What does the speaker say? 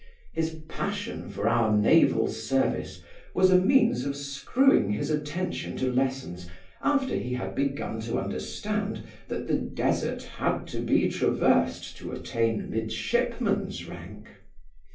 His passion for our naval service was a means of screwing his attention to lessons after he had begun to understand that the desert had to be traversed to attain midshipman's rank.